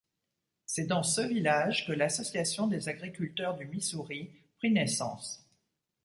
C'est dans ce village que l'association des agriculteurs du Missouri prit naissance.